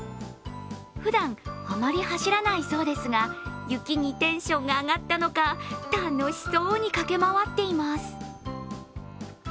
ふだん、あまり走らないそうですが雪にテンションが上がったのか楽しそうに駆け回っています。